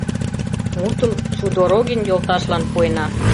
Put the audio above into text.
— Мутым Судорогин йолташлан пуэна!